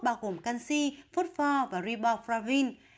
bao gồm canxi phốt pho và riboflavin